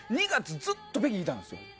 ２月ずっと北京いたんですよ。